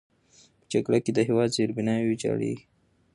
په جګړه کې د هېواد زیربناوې ویجاړېږي.